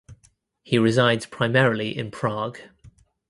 He resides primarily in Prague.